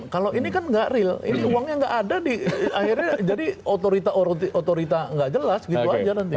kalau ini kan gak real ini uangnya gak ada di akhirnya jadi otorita otorita gak jelas gitu aja nanti